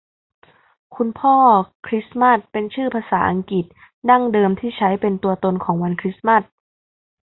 คุณพ่อคริสมาสต์เป็นชื่อภาษาอังกฤษดั้งเดิมที่ใช้เป็นตัวตนของวันคริสต์มาส